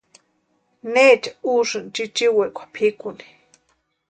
¿Necha úsï chichiwekwa pʼikuni?